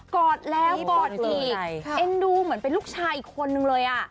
อดแล้วกอดอีกเอ็นดูเหมือนเป็นลูกชายอีกคนนึงเลยอ่ะ